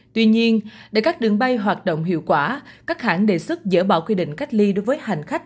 tuy nhiên để các đường bay hoạt động hiệu quả các hãng đề xuất dỡ bỏ quy định cách ly đối với hành khách